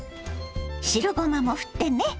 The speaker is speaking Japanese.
白ごまもふってね。